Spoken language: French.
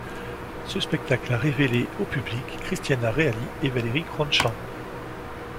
Ce spectacle a révélé au public Cristiana Reali et Valérie Crunchant.